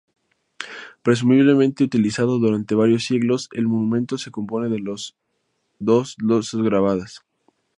Presumiblemente utilizado durante varios siglos, el monumento se compone de dos losas grabadas.